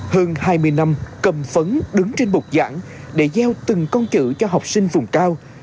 hơn hai mươi năm cầm phấn đứng trên bục giảng để gieo từng con chữ cho học sinh vùng cao